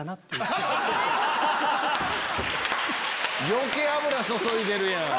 余計油注いでるやん。